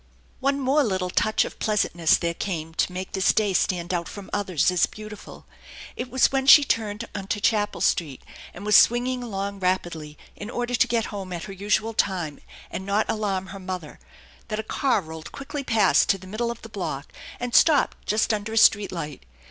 One more little touch of pleasantness there came to make this day stand out from others as beautiful. It was when she THE ENCHANTED BARN 35 turned into Chapel Street, and was swinging along rapidly in order to get home at her usual time and not alarm he* mother, that a car rolled quickly past to the middle of the block, and stopped just under a street light.